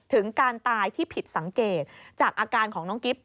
ถึงการตายที่ผิดสังเกตจากอาการของน้องกิ๊บ